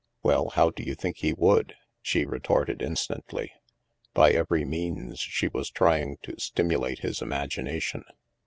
" Well, how do you think he would ?" she re torted instantly. By every means, she was trying to stimulate his imagination.